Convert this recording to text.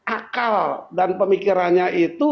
akal dan pemikirannya itu